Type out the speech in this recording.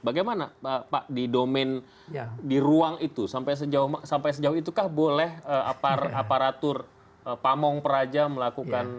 bagaimana pak di domain di ruang itu sampai sejauh itu kah boleh aparatur pamong peraja melakukan kerjanya